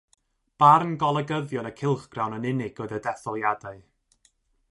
Barn golygyddion y cylchgrawn yn unig oedd y detholiadau.